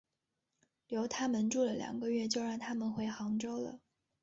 留他们住了两个月就让他们回杭州了。